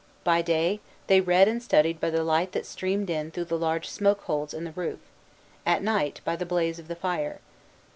By day, they read and studied by the light that streamed in through the large smoke holes in the roof, at night, by the blaze of the fire.